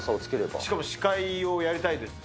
しかも司会をやりたいですしね。